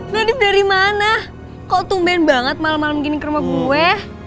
nadif dari mana kok tumben banget malem malem gini ke rumah gue